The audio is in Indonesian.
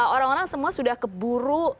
orang orang semua sudah keburu